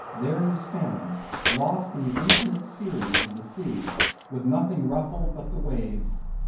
There you stand, lost in the infinite series of the sea, with nothing ruffled but the waves.